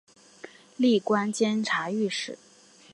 历官监察御史。